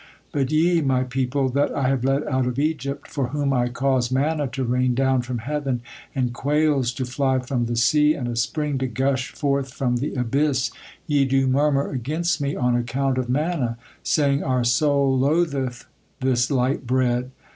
But ye, My people that I have led out of Egypt, for whom I caused manna to rain down from heaven, and quails to fly from the sea, and a spring to gush forth from the abyss, ye do murmur against Me on account of manna, saying, 'Our soul loatheth this light bread.'